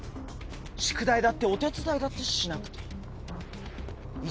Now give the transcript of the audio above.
宿題だってお手伝いだってしなくていい。